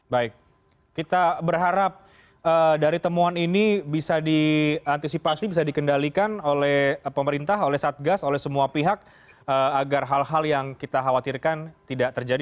baik kita berharap dari temuan ini bisa diantisipasi bisa dikendalikan oleh pemerintah oleh satgas oleh semua pihak agar hal hal yang kita khawatirkan tidak terjadi